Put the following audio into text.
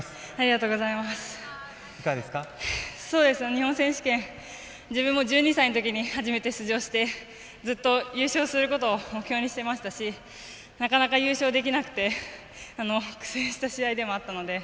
日本選手権自分も１２歳のときに初めて出場してずっと優勝することを目標にしていましたしなかなか優勝できなくて苦戦した試合でもあったので。